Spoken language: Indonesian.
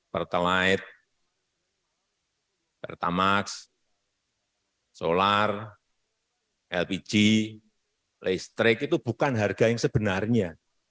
pertelit pertamax solar lpg listrik itu bukan harga yang sebenarnya